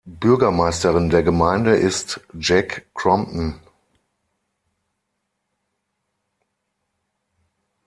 Bürgermeisterin der Gemeinde ist Jack Crompton.